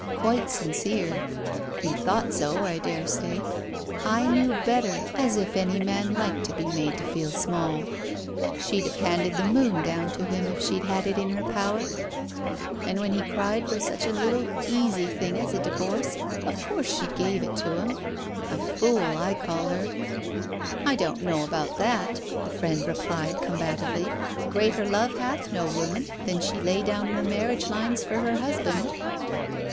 Quite sincere ! He thought so, I daresay. I knew better, as if any man liked to be made to feel small 1 She'd have handed the moon down to him if she'd had it in her power, and when he cried Digitized by Google THE OPERATION 63 for such a little easy thing as a divorce, of course she gave it him. A fool, I call her." "I don't know about that," the friend replied, com batively. "Greater love hath no woman, than she lay down her marriage lines for her husband."